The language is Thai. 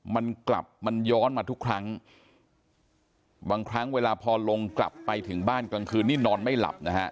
มันกลับมันย้อนมาทุกครั้งบางครั้งเวลาพอลงกลับไปถึงบ้านกลางคืนนี่นอนไม่หลับนะฮะ